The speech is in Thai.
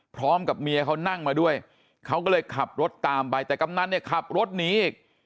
พร้อมกับเมียเขานั่งมาด้วยเขาก็เลยขับรถตามไปแต่กำนันเนี่ยขับรถหนีอีก